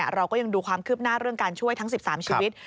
เราก็ยังดูความคืบหน้าเรื่องการช่วยทั้ง๑๓ชีวิต